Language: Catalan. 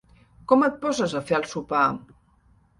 Com et poses a fer el sopar?